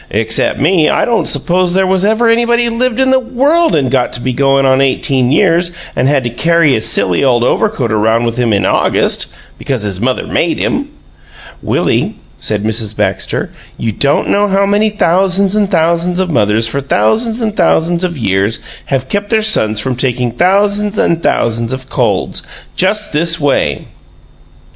Except me, I don't suppose there was ever anybody lived in the world and got to be going on eighteen years old and had to carry his silly old overcoat around with him in August because his mother made him!" "Willie," said Mrs. Baxter, "you don't know how many thousands and thousands of mothers for thousands and thousands of years have kept their sons from taking thousands and thousands of colds just this way!"